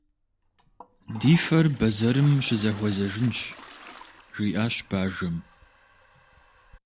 «Ди фэр бэзэрым щызэхуэзэжынщ», - жиӀащ бажэм.